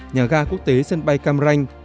nhà ga quốc tế sân bay cam ranh